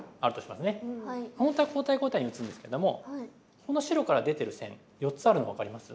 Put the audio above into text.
本当は交代交代に打つんですけどもこの白から出てる線４つあるの分かります？